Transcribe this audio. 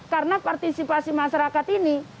karena partisipasi masyarakat ini